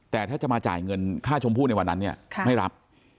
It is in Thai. แต่ถ้าจะมาจ่ายเงินค่าชมพู่ในวันนั้นเนี่ยไม่รับ